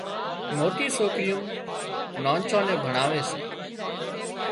موٽِي سوڪريون نانچان نين ڀڻاوي سي